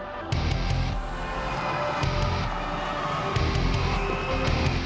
โอ้โฮ